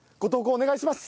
お願いします。